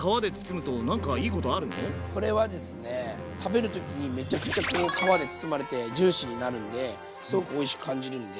これはですね食べる時にめちゃくちゃこう皮で包まれてジューシーになるんですごくおいしく感じるんで。